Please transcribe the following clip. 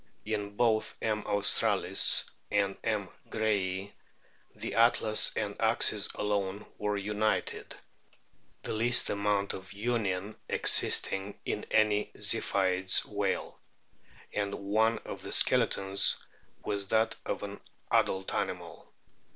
In both M. aitstralis and M. grayi the atlas and axis alone were united, the least amount of union existing in any Ziphioid whale ; and one of the skeletons was that of an adult animal.